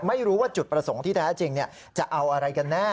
ไม่รู้ว่าจุดประสงค์ที่แท้จริงจะเอาอะไรกันแน่